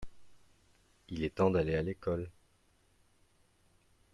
il est temps d'aller à l'école.